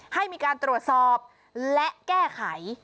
ให้มีการตรวจสอบและแก้ไข